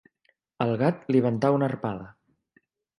El gat li ventà una arpada.